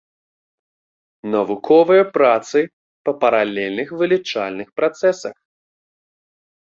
Навуковыя працы па паралельных вылічальных працэсах.